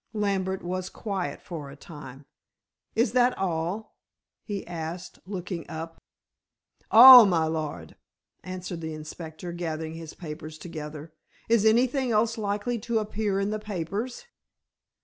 Lambert was quiet for a time. "Is that all?" he asked, looking up. "All, my lord," answered the inspector, gathering his papers together. "Is anything else likely to appear in the papers?"